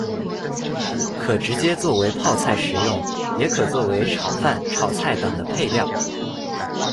可直接作为泡菜食用，也可作为炒饭、炒菜等的配料。